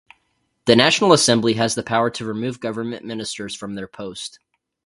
The National Assembly has the power to remove government ministers from their post.